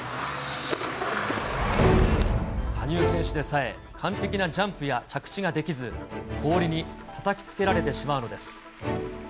羽生選手でさえ、完璧なジャンプや着地ができず、氷にたたきつけられてしまうのです。